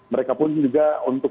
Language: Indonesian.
mereka pun juga untuk